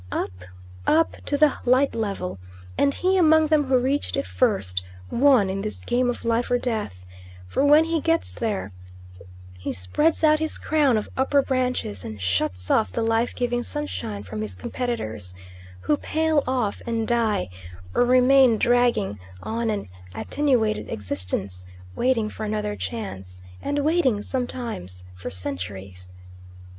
Up, up to the light level, and he among them who reached it first won in this game of life or death; for when he gets there he spreads out his crown of upper branches, and shuts off the life giving sunshine from his competitors, who pale off and die, or remain dragging on an attenuated existence waiting for another chance, and waiting sometimes for centuries.